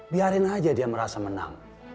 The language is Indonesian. biarin aja dia merasa menang